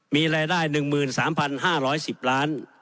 มีรายได้๑๓๕๑๐ล้าน